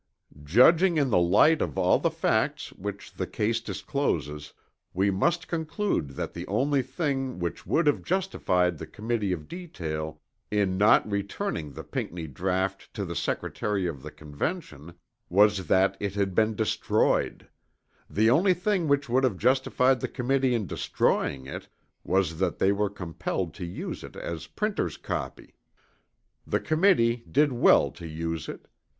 Judging in the light of all the facts which the case discloses we must conclude that the only thing which would have justified the Committee of Detail in not returning the Pinckney draught to the Secretary of the Convention was that it had been destroyed; the only thing which would have justified the Committee in destroying it, was that they were compelled to use it as printer's copy. The Committee did well to use it.